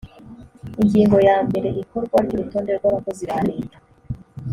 ingingo ya mbere ikorwa ry urutonde rw abakozi ba leta